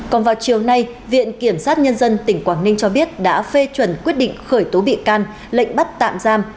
còn vào chiều nay viện kiểm sát nhân dân tỉnh quảng ninh cho biết đã phê chuẩn quyết định khởi tố bị can lệnh bắt tạm giam